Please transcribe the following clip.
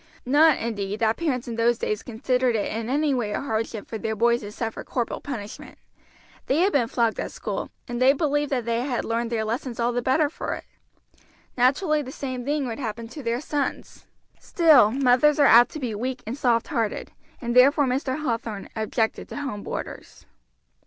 Not, indeed, that parents in those days considered it in any way a hardship for their boys to suffer corporal punishment; they had been flogged at school, and they believed that they had learned their lessons all the better for it. Naturally the same thing would happen to their sons. Still mothers are apt to be weak and soft hearted, and therefore Mr. Hathorn objected to home boarders.